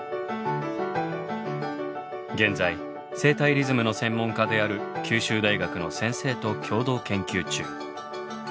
現在生体リズムの専門家である九州大学の先生と共同研究中。